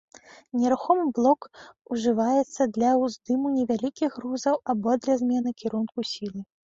Нерухомы блок ўжываецца для ўздыму невялікіх грузаў або для змены кірунку сілы.